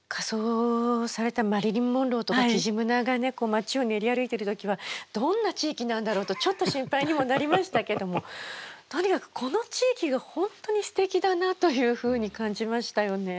町を練り歩いてる時はどんな地域なんだろうとちょっと心配にもなりましたけどもとにかくこの地域が本当にすてきだなというふうに感じましたよね。